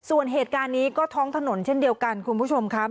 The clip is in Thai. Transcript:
ส่วนเหตุการณ์นี้ก็ท้องถนนเช่นเดียวกันคุณผู้ชมครับ